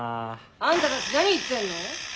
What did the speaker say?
あんたたち何言ってんの？